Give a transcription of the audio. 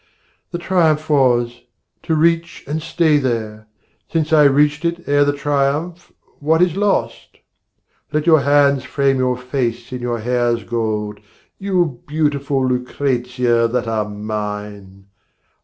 The triumph was to reach and stay there; since I reached it ere the triumph, what is lost? Let my hands frame your face in your hair's gold, You beautiful Lucrezia that are mine!